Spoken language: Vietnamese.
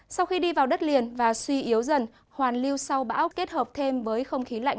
sau khi đi vào đất liền và suy yếu dần hoàn lưu sau bão kết hợp thêm với không khí lạnh